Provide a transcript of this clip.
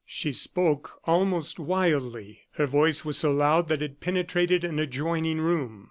She spoke almost wildly. Her voice was so loud that it penetrated an adjoining room.